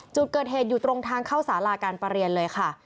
จุดเกิดเหตุอยู่ตรงทางเข้าสาราการประเรียนเลยค่ะ